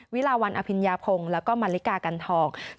วิลาวันอภิญญาพงศ์แล้วก็มาริกากันทอง